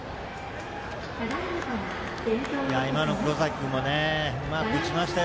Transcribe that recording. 今の黒崎君もうまく打ちましたよ。